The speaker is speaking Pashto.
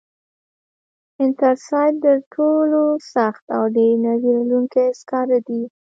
انترسایت تر ټولو سخت او ډېر انرژي لرونکی سکاره دي.